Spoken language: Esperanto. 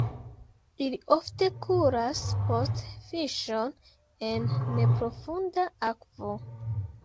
Ili ofte kuras post fiŝon en neprofunda akvo.